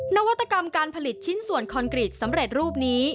นวัตกรรมการผลิตชิ้นส่วนคอนกรีตสำเร็จรูปนี้